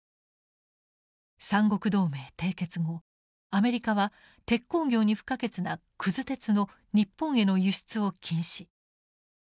三国同盟締結後アメリカは鉄鋼業に不可欠なくず鉄の日本への輸出を禁止。